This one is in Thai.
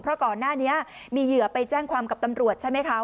เพราะก่อนหน้านี้มีเหยื่อไปแจ้งความกับตำรวจใช่ไหมคะ